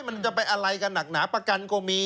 มันจะไปอะไรกันหนักหนาประกันก็มี